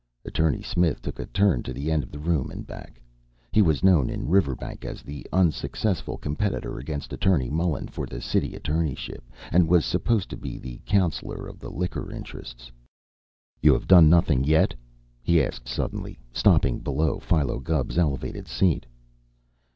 Attorney Smith took a turn to the end of the room and back. He was known in Riverbank as the unsuccessful competitor against Attorney Mullen for the City Attorneyship, and was supposed to be the counselor of the liquor interests. "You have done nothing yet?" he asked suddenly, stopping below Philo Gubb's elevated seat.